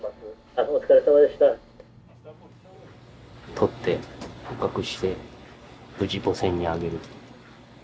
獲って捕獲して無事母船にあげる。